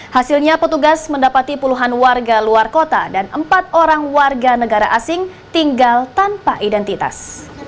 hasilnya petugas mendapati puluhan warga luar kota dan empat orang warga negara asing tinggal tanpa identitas